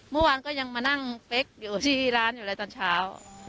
เมื่อวานก็ยังมานั่งเป๊กอยู่ที่ร้านอยู่เลยตอนเช้า